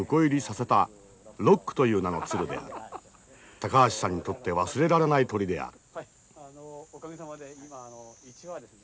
高橋さんにとって忘れられない鳥である。